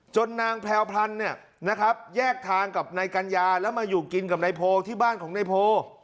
นางแพรวพลันเนี่ยนะครับแยกทางกับนายกัญญาแล้วมาอยู่กินกับนายโพที่บ้านของนายโพ